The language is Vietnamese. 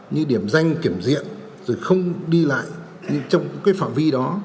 như điểm danh kiểm diện rồi không đi lại trong cái phạm vi đó